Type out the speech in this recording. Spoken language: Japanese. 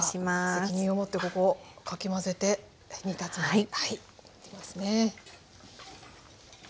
責任を持ってここをかき混ぜて煮立つまでやっていきますね。